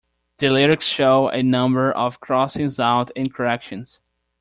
The lyrics show a number of crossings out and corrections.